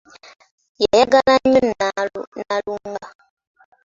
Yayagala nnyo Nnalunga.